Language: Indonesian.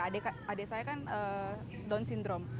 adik saya kan down sindrom